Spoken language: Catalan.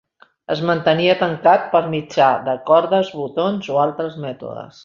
Es mantenia tancat per mitjà de cordes, botons o altres mètodes.